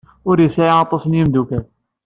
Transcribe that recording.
Ur yesɛi aṭas n yimeddukal.